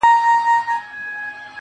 • زما او ستا تر منځ صرف فرق دادى.